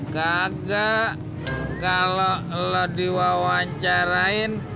kakek kalo lo diwawancarain